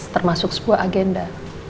termasuk sebuah agenda